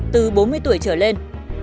từ bốn mươi tuổi trở lên